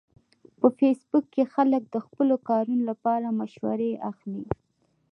په فېسبوک کې خلک د خپلو کارونو لپاره مشورې اخلي